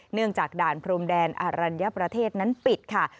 เนื่องจากด่านพรมแดนอรัญญประเทศนั้นปิดค่ะ